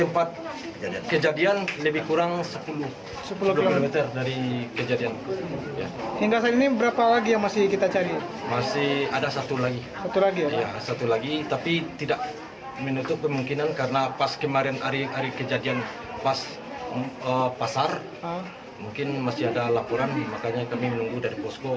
pasar mungkin masih ada laporan makanya kami menunggu dari pusko